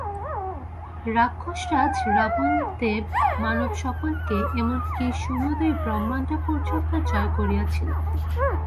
রাক্ষসরাজ রাবণ দেব মানব সকলকে, এমন কি সমুদয় ব্রহ্মাণ্ড পর্যন্ত জয় করিয়াছিল।